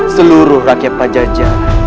seluruh rakyat pajajah